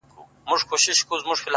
• د زمان بلال به کله, کله ږغ کي,